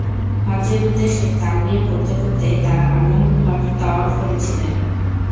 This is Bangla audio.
হজ্জের উদ্দেশ্যে তালবিয়া পড়তে পড়তে তারা আল্লাহর ঘর তওয়াফ করছিলেন।